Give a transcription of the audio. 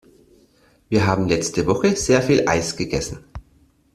Wir haben letzte Woche sehr viel Eis gegessen.